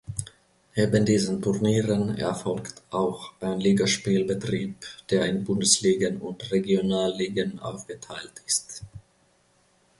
Neben diesen Turnieren erfolgt auch ein Ligaspielbetrieb, der in Bundesligen und Regionalligen aufgeteilt ist.